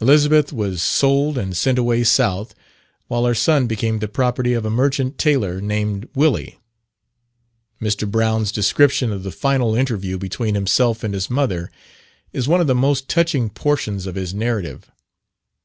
Elizabeth was sold and sent away south, while her son became the property of a merchant tailor named Willi. Mr. Brown's description of the final interview between himself and his mother, is one of the most touching portions of his narrative.